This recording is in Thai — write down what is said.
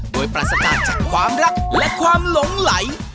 โดยปราศการจากความรักและความหลงไหล